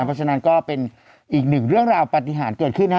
เพราะฉะนั้นก็เป็นอีกหนึ่งเรื่องราวปฏิหารเกิดขึ้นนะฮะ